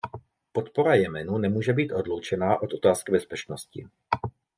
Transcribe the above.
Podpora Jemenu nemůže být odloučena od otázky bezpečnosti.